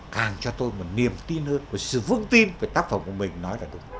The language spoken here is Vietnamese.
càng cho tôi một niềm tin hơn và sự vững tin về tác phẩm của mình nói là đúng